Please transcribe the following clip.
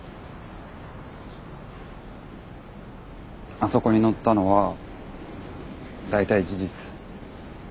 あそこに載ったのは大体事実。